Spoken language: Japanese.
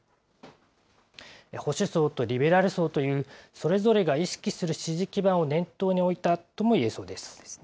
保守層とリベラル層という、それぞれが意識する支持基盤を念頭に置いたともいえそうです。